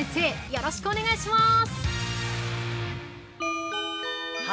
◆よろしくお願いします。